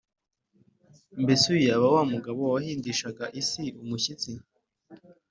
«Mbese uyu yaba wa mugabo wahindishaga isi umushyitsi,